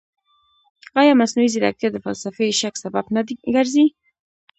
ایا مصنوعي ځیرکتیا د فلسفي شک سبب نه ګرځي؟